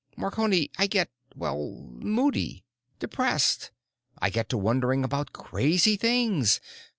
Marconi, I get—well, moody. Depressed. I get to worrying about crazy things.